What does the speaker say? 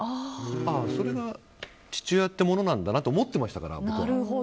それが父親ってものなんだなって思ってましたから、僕は。